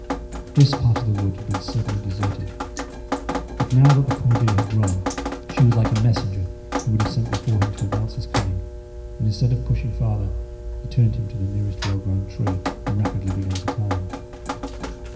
This part of the wood had been certainly deserted, but now that the poor deer had run, she was like a messenger he should have sent before him to announce his coming; and instead of pushing farther, he turned him to the nearest well grown tree, and rapidly began to climb.